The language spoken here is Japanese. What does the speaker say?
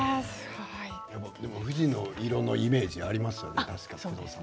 藤色のイメージありますよね。